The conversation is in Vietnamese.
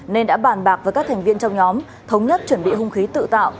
nên đã bàn bạc với các thành viên trong nhóm thống nhất chuẩn bị hung khí tự tạo